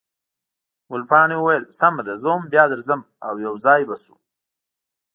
ګلپاڼې وویل، سمه ده، زه هم بیا درځم، او یو ځای به شو.